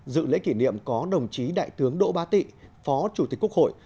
dự lễ kỷ niệm có đồng chí đại tướng đỗ ba tị phó chủ tịch quốc hội